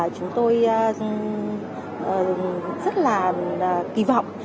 chúng tôi rất là kỳ vọng